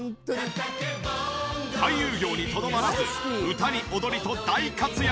俳優業にとどまらず歌に踊りと大活躍！